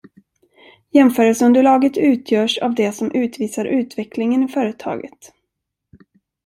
Jämförelseunderlaget utgörs av det som utvisar utvecklingen i företaget.